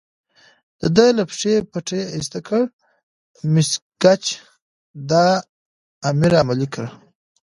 د ده له پښې پټۍ ایسته کړه، مس ګېج دا امر عملي کړ.